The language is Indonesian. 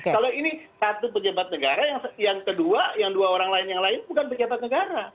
kalau ini satu pejabat negara yang kedua yang dua orang lain yang lain bukan pejabat negara